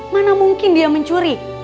mana mungkin dia mencuri